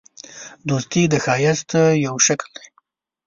دوستي د ښایست یو شکل دی.